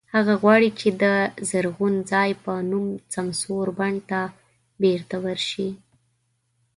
هغه غواړي چې د "زرغون ځای" په نوم سمسور بڼ ته بېرته ورشي.